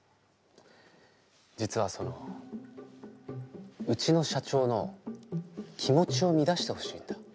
実はそのうちの社長の気持ちを乱してほしいんだ。